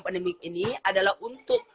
pandemi ini adalah untuk